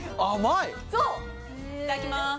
いただきまーす